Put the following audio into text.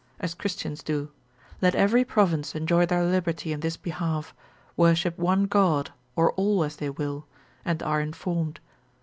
as Christians do: let every province enjoy their liberty in this behalf, worship one God, or all as they will, and are informed.